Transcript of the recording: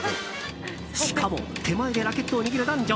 しかも手前でラケットを握る男女